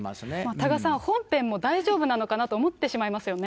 多賀さん、本編も大丈夫なのかなと思ってしまいますよね。